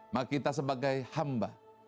maka kita sebagai hamba